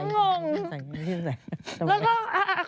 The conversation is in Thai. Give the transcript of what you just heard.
น้องง